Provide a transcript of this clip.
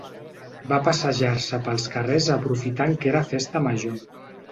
Va passejar-se pels carrers aprofitant que era festa major.